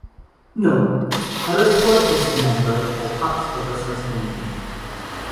Note: Abbotsford is a member for parks purposes only.